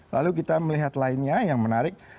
lalu kita melihat lainnya yang menarik